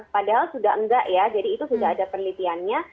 padahal sudah enggak ya jadi itu sudah ada penelitiannya